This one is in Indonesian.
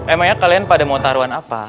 emangnya kalian pada mau taruhan apa